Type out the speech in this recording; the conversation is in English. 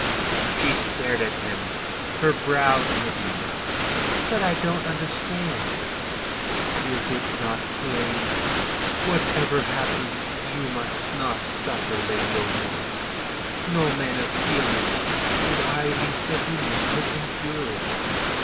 She stared at him, her brows knitting. "But I don't understand." "Is it not plain? Whatever happens, you must not suffer, Lady O'Moy. No man of feeling, and I least of any, could endure it.